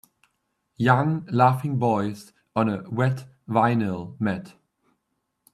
Young laughing boys on a wet vinyl mat.